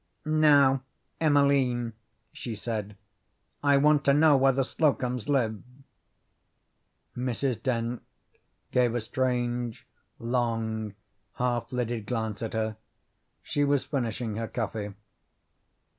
"Now, Emeline," she said, "I want to know where the Slocums live." Mrs. Dent gave a strange, long, half lidded glance at her. She was finishing her coffee.